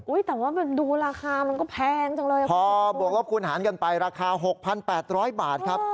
อุ้ยแต่ว่าแบบดูราคามันก็แพงจังเลยพอบวกว่าคุณหารกันไปราคาหกพันแปดร้อยบาทครับ